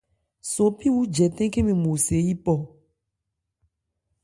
Sopí wu jɛtɛ̂n khɛ́n mɛn mo se yípɔ.